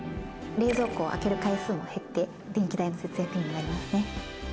冷蔵庫を開ける回数も減って電気代の節約にもなりますね